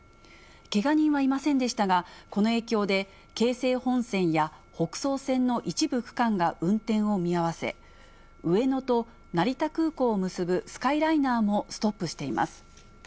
けが人はいませんでしたが、この影響で、京成本線や北総線の一部区間が運転を見合わせ、上野と成田空港を結ぶスカイライナーもストップしています。